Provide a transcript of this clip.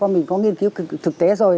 mình có nghiên cứu thực tế rồi